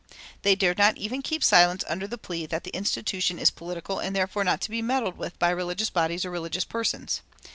They dared not even keep silence under the plea that the institution is political and therefore not to be meddled with by religious bodies or religious persons.